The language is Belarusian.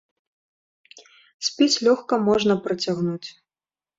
Спіс лёгка можна працягнуць.